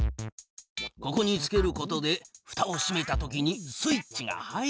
ここにつけることでふたをしめたときにスイッチが入るのじゃ。